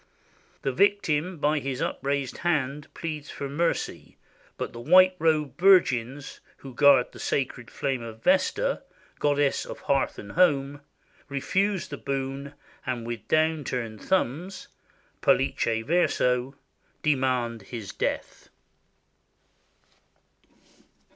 The victim by his upraised hand pleads for mercy, but the white robed Vir gins, who guard the sacred flame of Vesta, goddess of hearth and home, refuse the boon, and with down turned thumbs {pollice verso) demand his death.